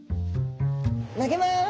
投げます。